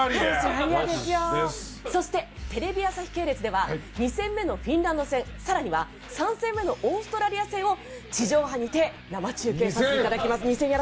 そして、テレビ朝日系列では２戦目のフィンランド戦更には３戦目のオーストラリア戦を地上波にて生中継させていただきます。